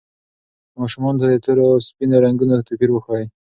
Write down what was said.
ماشومانو ته د تورو او سپینو رنګونو توپیر وښایئ.